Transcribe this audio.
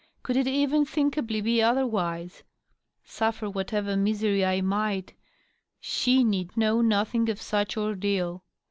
Could it even thinka bly be otherwise ? Suffer whatever misery I might, she need know nothing of such ordeal.